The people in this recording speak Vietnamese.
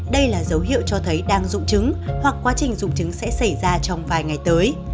đây là dấu hiệu cho thấy đang dung trứng hoặc quá trình dung trứng sẽ xảy ra trong vài ngày tới